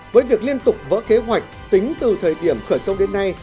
với việc liên tục vỡ kế hoạch tính từ thời điểm khởi công đến nay